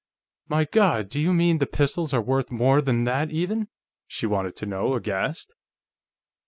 "My God, do you mean the pistols are worth more than that, even?" she wanted to know, aghast.